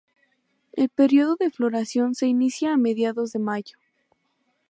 El período de floración se inicia a mediados de mayo.